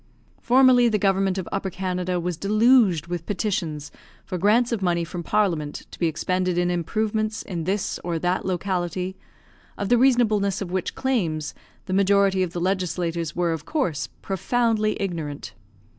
Formerly the government of Upper Canada was deluged with petitions for grants of money from Parliament to be expended in improvements in this or that locality, of the reasonableness of which claims the majority of the legislators were, of course, profoundly ignorant.